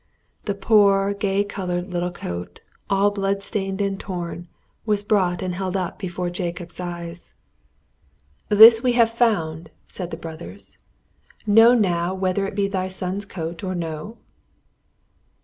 The poor, gay coloured little coat, all blood stained and torn, was brought and held up before Jacob's eyes. "This have we found," said the brothers; "know now whether it be thy son's coat or no?"